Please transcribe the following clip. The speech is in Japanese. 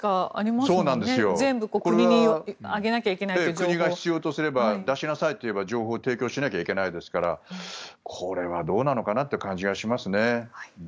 国が必要とすれば出しなさいと言えば情報を提供しなければいけませんからこれはどうなのかなという感じがしますね。